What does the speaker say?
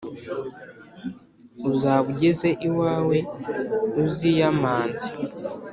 Uzaba ugeze iwawe uziyamanze